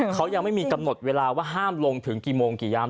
เขายังไม่มีกำหนดเวลาว่าห้ามลงถึงกี่โมงกี่ยาม